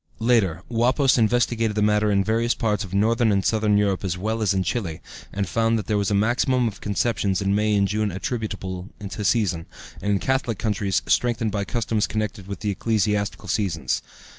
Later, Wappäus investigated the matter in various parts of northern and southern Europe as well as in Chile, and found that there was a maximum of conceptions in May and June attributable to season, and in Catholic countries strengthened by customs connected with ecclesiastical seasons.